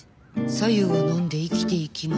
白湯を飲んで生きていきます。